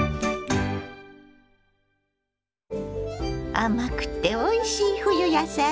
甘くておいしい冬野菜。